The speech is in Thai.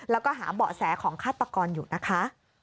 แล้วก็หาเบาะแสของฆาตกรอยู่นะคะ